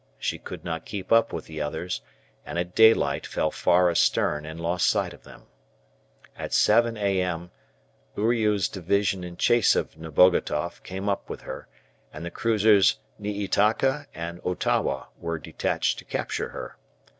She could not keep up with the others, and at daylight fell far astern and lost sight of them. At 7 a.m. Uriu's division in chase of Nebogatoff came up with her, and the cruisers "Niitaka" and "Otowa" were detached to capture her.